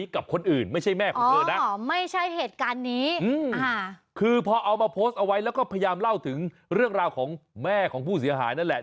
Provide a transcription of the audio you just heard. แล้วก็พยายามเล่าถึงเรื่องราวของแม่ของผู้เสียหายนั่นแหละ